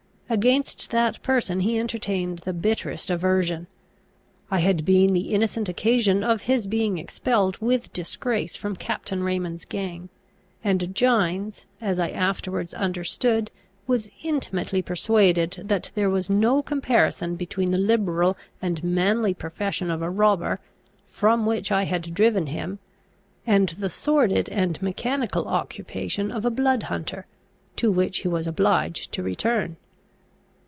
Against that person he entertained the bitterest aversion. I had been the innocent occasion of his being expelled with disgrace from Captain Raymond's gang; and Gines, as I afterwards understood, was intimately persuaded that there was no comparison between the liberal and manly profession of a robber from which I had driven him, and the sordid and mechanical occupation of a blood hunter, to which he was obliged to return.